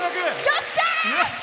よっしゃー！